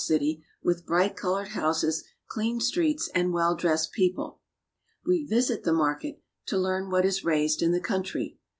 city, with bright colored houses, clean streets, and well dressed people. We visit the market to learn what is raised 296 BRAZIL. in the country.